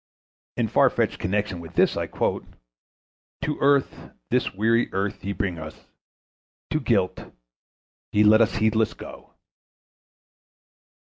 In far fetched connection with this I quote: "To earth, this weary earth, ye bring us, To guilt ye let us heedless go."